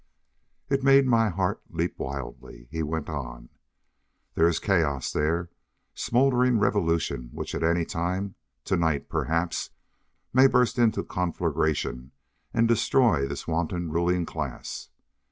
It made my heart leap wildly. He went on: "There is chaos there. Smoldering revolution which at any time to night perhaps may burst into conflagration and destroy this wanton ruling class."